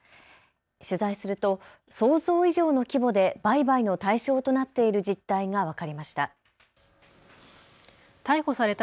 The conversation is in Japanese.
取材すると想像以上の規模で売買の対象となっている実態が分かりました。